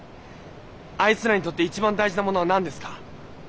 あいつらにとって一番大事なものは何ですか？